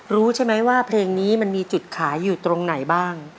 รู้ใช่ไหมว่าเพลงนี้มันมีจุดขายอยู่ตรงไหนบ้าง